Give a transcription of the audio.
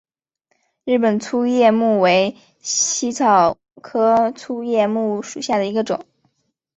日本粗叶木为茜草科粗叶木属下的一个种。